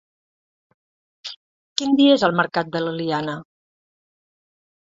Quin dia és el mercat de l'Eliana?